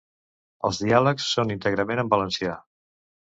Els diàlegs són íntegrament en valencià.